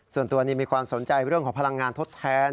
ส่วนตัวนี้มีความสนใจเรื่องของพลังงานทดแทน